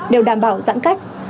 đều đảm bảo giãn cách